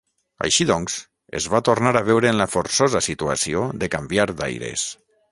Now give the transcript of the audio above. Així doncs, es va tornar a veure en la forçosa situació de canviar d'aires.